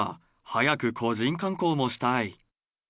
早く個人観光もしたい。